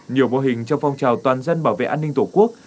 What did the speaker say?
nhiều mô hình trong phong trào toàn dân bảo vệ an ninh tổ quốc